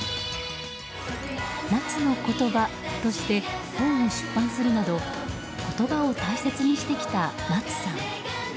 「７２の言葉」として本を出版するなど言葉を大切にしてきた夏さん。